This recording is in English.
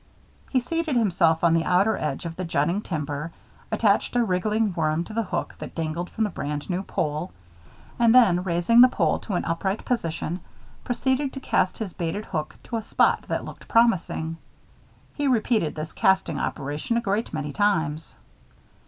He seated himself on the outer end of the jutting timber, attached a wriggling worm to the hook that dangled from the brand new pole, and then, raising the pole to an upright position, proceeded to cast his baited hook to a spot that looked promising. He repeated this casting operation a great many times.